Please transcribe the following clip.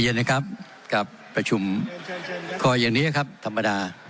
ขอประท้วงครับขอประท้วงครับขอประท้วงครับขอประท้วงครับ